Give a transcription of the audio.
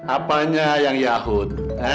apanya yang yahud